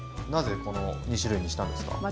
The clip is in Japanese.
なぜこの２種類にしたんですか？